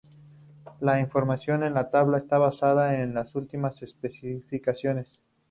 La información en la tabla está basada en las últimas especificaciones.